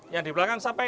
yang di belakang siapa ini